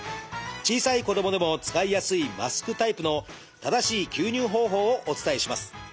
小さい子どもでも使いやすいマスクタイプの正しい吸入方法をお伝えします。